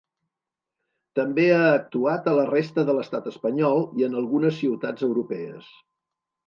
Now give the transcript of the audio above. També ha actuat a la resta de l'estat espanyol i en algunes ciutats europees.